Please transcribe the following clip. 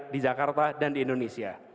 di jakarta dan di indonesia